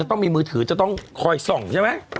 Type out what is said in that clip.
ต้องมีมือถือจะต้องคอยส่องใช่ไหม